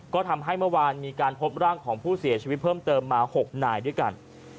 ก็ทำให้เมื่อวานมีการพบร่างของผู้เสียชีวิตเพิ่มเติมมา๖นายด้วยกัน